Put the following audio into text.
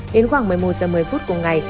đến khoảng một mươi một h một mươi phút cùng ngày